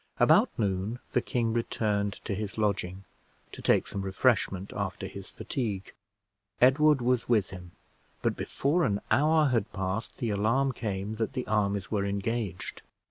About noon the king returned to his lodging, to take some refreshment after his fatigue. Edward was with him; but before an hour had passed, the alarm came that the armies were engaged.